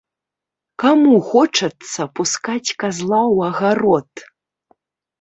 Каму хочацца пускаць казла ў агарод?